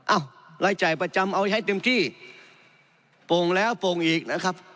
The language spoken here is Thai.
รายจ่ายประจำเอาให้เต็มที่โป่งแล้วโป่งอีกนะครับ